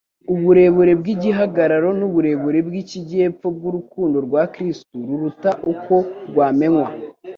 "uburebure bw'igihagararo n'uburebure bw'ikijyepfo bw'urukundo rwa Kristo, ruruta uko, rwamenywa."